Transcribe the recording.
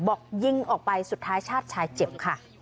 บอกยิงออกไปสุดท้ายชาติชายเจ็บค่ะ